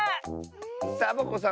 サボ子さん